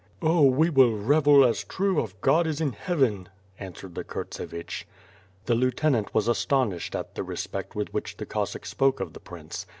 "Oh, we will revel as true of God is in Heaven," answered the Kurtsevich. The lieutenant was astonished at the respect with which the Cossack spoke of the prince.